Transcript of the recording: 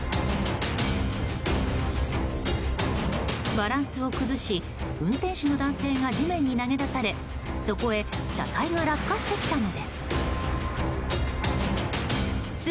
バランスを崩し、運転手の男性が地面に投げ出されそこへ車体が落下してきたのです。